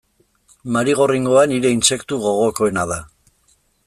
Marigorringoa nire intsektu gogokoena da.